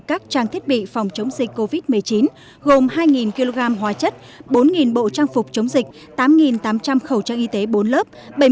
các trang thiết bị phòng chống dịch covid một mươi chín gồm hai kg hóa chất bốn bộ trang phục chống dịch tám tám trăm linh khẩu trang y tế bốn lớp